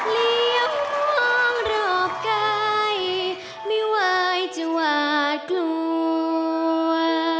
เลี้ยงมองรอบใกล้ไม่ไหวจะอาจกลัว